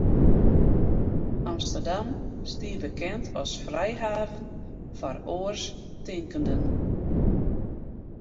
Amsterdam stie bekend as frijhaven foar oarstinkenden.